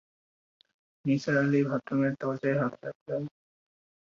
নিসার আলি বাথরুমের দরজায় হাত রাখলেন।